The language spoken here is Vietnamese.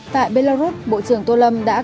tại belarus bộ trưởng tô lâm đã có